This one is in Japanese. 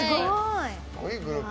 すごいグループ。